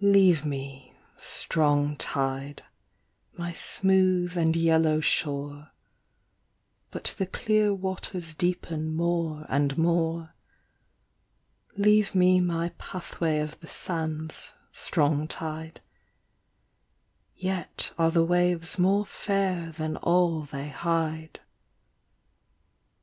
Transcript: Leave me, strong tide, my smooth and yellow shore; But the clear waters deepen more and more : Leave me my pathway of the sands, strong tide ; Yet are the waves more fair than all they hide.